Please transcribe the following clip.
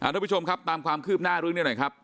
ทุกผู้ชมครับตามความคืบหน้าเรื่องนี้หน่อยครับ